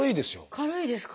軽いですか？